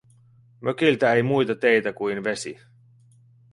Mökiltä ei muita teitä kuin vesi.